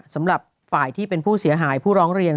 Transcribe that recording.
สำหรับฝ่ายที่เป็นผู้เสียหายผู้ร้องเรียน